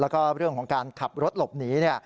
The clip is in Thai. แล้วก็เรื่องของการขับรถหลบหนี